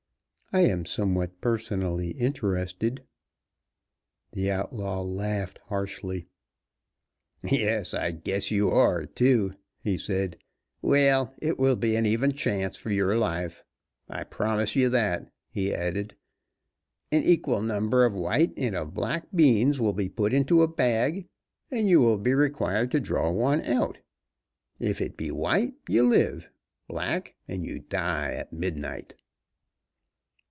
"I am somewhat personally interested." The outlaw laughed harshly. "Yes, I guess you are, too," he said. "Well, it will be an even chance for your life, I promise you that," he added. "An equal number of white and of black beans will be put into a bag, and you will be required to draw one out. If it be white, you live; black, and you die at midnight."